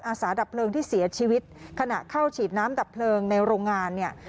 สาดับเพลิงที่เสียชีวิตขณะเข้าฉีดน้ำดับเพลิงในโรงงานเนี่ย